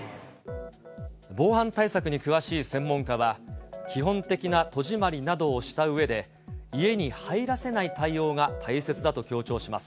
防犯対策に詳しい専門家は、基本的な戸締まりなどをしたうえで、家に入らせない対応が大切だと強調します。